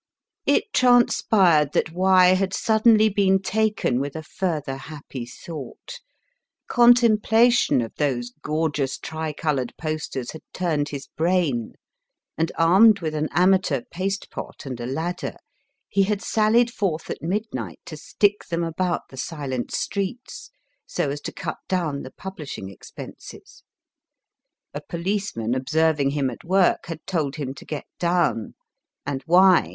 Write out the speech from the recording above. It transpired that Y. had suddenly been taken with a further happy thought. Contemplation of those gorgeous tricoloured posters had turned his brain, and, armed with an amateur paste pot and a ladder, he had sallied forth at mid night to stick them about the silent streets, so as to cut down the publishing expenses. A policeman, observing him at work, had told him to get down, and Y.